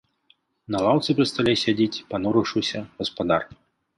На лаўцы пры стале сядзіць, панурыўшыся, гаспадар.